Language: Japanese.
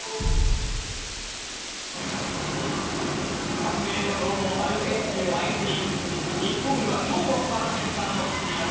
南米の強豪アルゼンチンを相手に日本は今日も素晴らしいスタートを切っています。